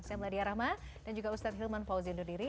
saya mladia rahma dan juga ustadz hilman fauzi ndudiri